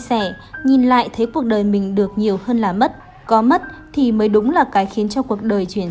sẻ nhìn lại thế cuộc đời mình được nhiều hơn là mất có mất thì mới đúng là cái khiến cho cuộc đời truyền